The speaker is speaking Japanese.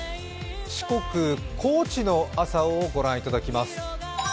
四国・高知の朝をご覧いただきます。